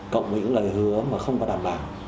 cộng với những lời hứa mà không có đảm bảo